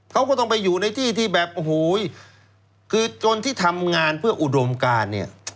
เขาก็ต้องไปอยู่ในที่ที่แบบโอ้โหคือจนที่ทำงานเพื่ออุดมการเนี่ย